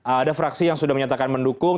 ada fraksi yang sudah menyatakan mendukung